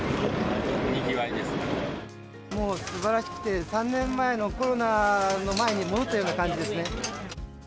もうすばらしくて、３年前のコロナの前に戻ったような感じですね。